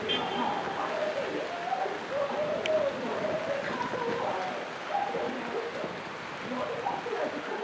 あんだけみんなが一生懸命つないでくれたバトンを最後やるってやるわけないでしょ。